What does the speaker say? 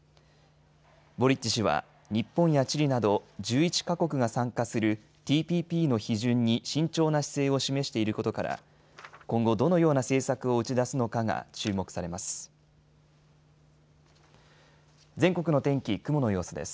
ボリッチ氏は日本やチリなど１１か国が参加するＴＰＰの批准に慎重な姿勢を示していることから今後どのような政策を打ち出すのかが注目されます。